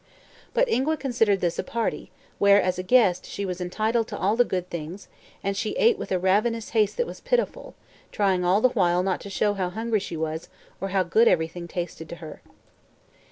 But Ingua considered this a "party," where as a guest she was entitled to all the good things, and she ate with a ravenous haste that was pitiful, trying the while not to show how hungry she was or how good everything tasted to her.